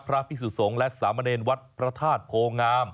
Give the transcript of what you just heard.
พระพิสุสงฆ์และสามเณรวัดพระธาตุโพงาม